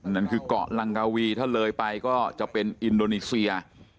นั่นคือเกาะลังกาวีถ้าเลยไปก็จะเป็นอินโดนีเซีย